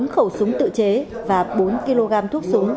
bốn khẩu súng tự chế và bốn kg thuốc súng